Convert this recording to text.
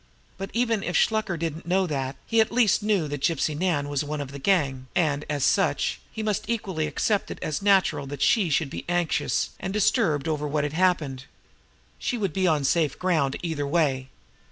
But even if Shluker did not know that, he knew at least that Gypsy Nan was one of the gang, and, as such, he must equally accept it as natural that she should be anxious and disturbed over what had happened. She would be on safe ground either way.